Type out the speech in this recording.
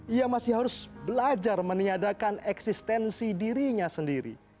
ia masih harus belajar meniadakan eksistensi dirinya sendiri